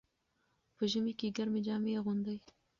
په ژمي کې ګرمې جامې اغوندئ.